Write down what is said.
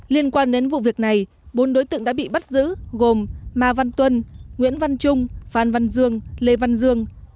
liên quan đến vụ việc này bốn đối tượng đã bị bắt giữ gồm ma văn tuân nguyễn văn trung phan văn dương lê văn dương